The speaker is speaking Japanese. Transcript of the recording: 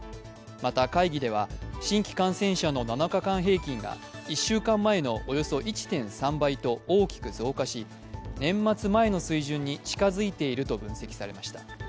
また、会議では、新規感染者の７日間平均が１週間前のおよそ１．３倍と大きく増加し、年末前の水準に近づいていると分析されました。